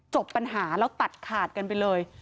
จบปัญหาแล้วตัดขาดกันไปเลย